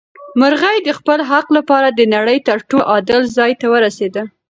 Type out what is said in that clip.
مرغۍ د خپل حق لپاره د نړۍ تر ټولو عادل ځای ته ورسېده.